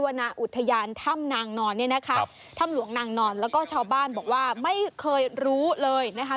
นาอุทยานถ้ำนางนอนเนี่ยนะคะถ้ำหลวงนางนอนแล้วก็ชาวบ้านบอกว่าไม่เคยรู้เลยนะคะ